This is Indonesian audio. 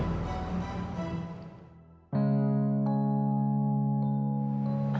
dia udah keliatan